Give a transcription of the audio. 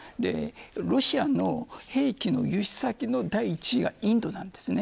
ロシアの兵器の輸出先の第１位がインドなんです。